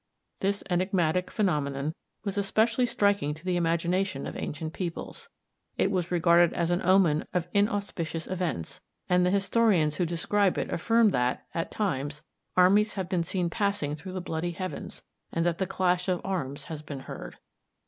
This enigmatic phenomenon was especially striking to the imagination of ancient peoples. It was regarded as an omen of inauspicious events, and the historians who describe it affirm that, at times, armies have been seen passing through the bloody heavens, and that the clash of arms has been heard.